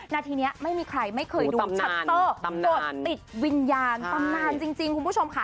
ณทีเนี้ยไม่มีใครไม่เคยดูต่อติดตำนานตำนานจริงจริงคุณผู้ชมค่ะ